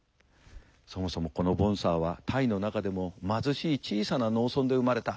そもそもこのボンサーはタイの中でも貧しい小さな農村で生まれた。